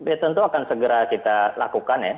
ya tentu akan segera kita lakukan ya